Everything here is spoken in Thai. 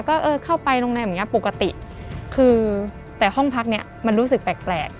ก็เออเข้าไปโรงแรมอย่างเงี้ยปกติคือแต่ห้องพักเนี้ยมันรู้สึกแปลก